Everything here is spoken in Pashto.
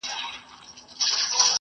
نور پوهان به د ده له طريقې ګټه واخلي.